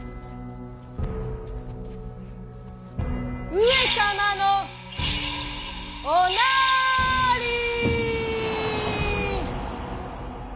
上様のおなーりー。